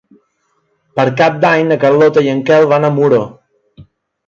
Per Cap d'Any na Carlota i en Quel van a Muro.